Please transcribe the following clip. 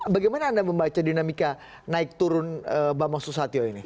bagaimana anda membaca dinamika naik turun bambang susatyo ini